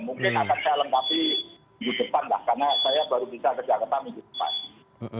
mungkin akan saya lengkapi minggu depan lah karena saya baru bisa ke jakarta minggu depan